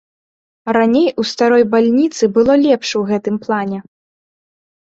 Раней у старой бальніцы было лепш у гэтым плане.